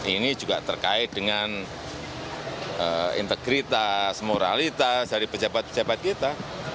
ini juga terkait dengan integritas moralitas dari pejabat pejabat kita